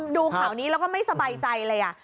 ดูข่าวนี้แล้วก็ไม่สบายใจเลย